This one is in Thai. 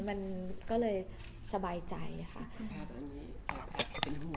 มันก็เลยสบายใจค่ะอันนี้เป็นทุกคนค่ะ